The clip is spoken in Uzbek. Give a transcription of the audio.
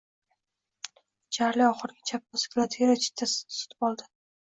Charli oxirgi chaqasiga lotereya chiptasini sotib oldi.